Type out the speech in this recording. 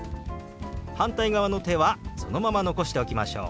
反対側の手はそのまま残しておきましょう。